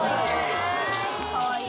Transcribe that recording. かわいい！